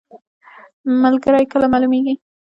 ملګری کله معلومیږي؟